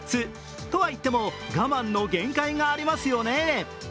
とはいっても、我慢の限界がありますよね。